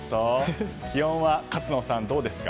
気温は勝野さん、どうですか？